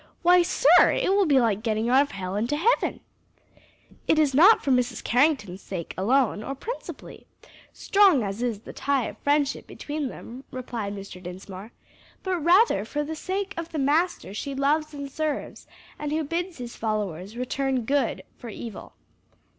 "Why, sir, it will be like getting out of hell into heaven!" "It is not for Mrs. Carrington's sake alone, or principally strong as is the tie of friendship between them," replied Mr. Dinsmore, "but rather for the sake of the Master she loves and serves, and who bids His followers return good for evil."